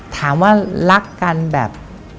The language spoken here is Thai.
ถามว่ารักกันแบบ